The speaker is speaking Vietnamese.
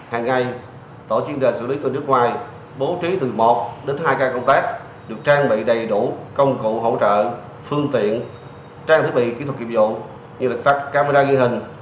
hàng ngày tổ chuyên đề xử lý từ nước ngoài bố trí từ một đến hai ca công tác được trang bị đầy đủ công cụ hỗ trợ phương tiện trang thiết bị kỹ thuật nghiệp vụ như là các camera ghi hình